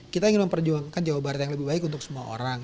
kita ingin memperjuangkan jawa barat yang lebih baik untuk semua orang